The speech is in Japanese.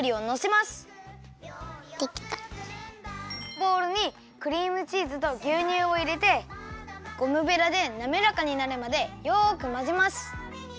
ボウルにクリームチーズとぎゅうにゅうをいれてゴムベラでなめらかになるまでよくまぜます。